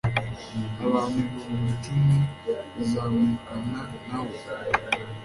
abantu ibihumbi cumi bazamukana na we